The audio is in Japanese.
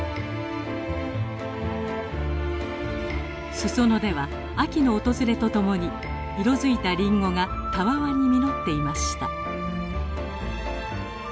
裾野では秋の訪れとともに色づいたリンゴがたわわに実っていました。